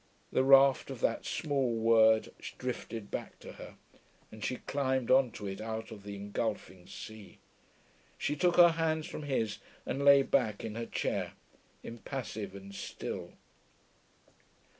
The raft of that small word drifted back to her, and she climbed on to it out of the engulfing sea. She took her hands from his and lay back in her chair, impassive and still.